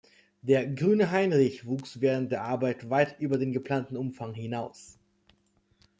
Der "Grüne Heinrich" wuchs während der Arbeit weit über den geplanten Umfang hinaus.